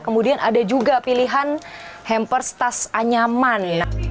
kemudian ada juga pilihan hampers tas anyaman